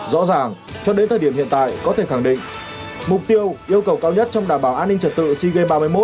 rõ ràng cho đến thời điểm hiện tại có thể khẳng định mục tiêu yêu cầu cao nhất trong đảm bảo an ninh trật tự sea games ba mươi một